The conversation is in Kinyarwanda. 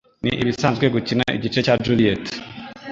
Ni ibisanzwe gukina igice cya Juliet